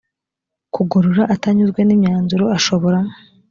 kugorora atanyuzwe n imyanzuro ashobora